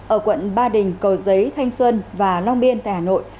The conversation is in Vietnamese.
ở quận ba đình cầu giấy thanh xuân và long biên tại hà nội